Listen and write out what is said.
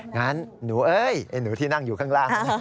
งั้นหนูเอ้ยไอ้หนูที่นั่งอยู่ข้างล่าง